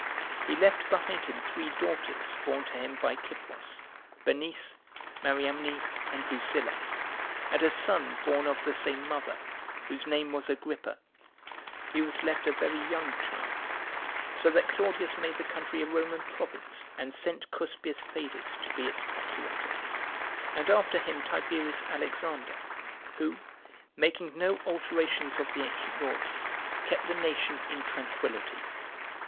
He left behind him three daughters, born to him by Cypros, Bernice, Mariamne, and Drusilla, and a son born of the same mother, whose name was Agrippa: he was left a very young child, so that Claudius made the country a Roman province, and sent Cuspius Fadus to be its procurator, and after him Tiberius Alexander, who, making no alterations of the ancient laws, kept the nation in tranquillity.